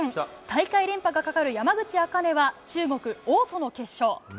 大会連覇がかかる山口茜は中国、王との決勝。